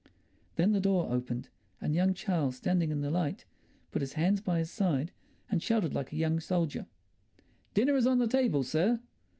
Then the door opened, and young Charles, standing in the light, put his hands by his side and shouted like a young soldier, "Dinner is on the table, sir!"